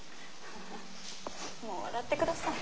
もう笑ってください。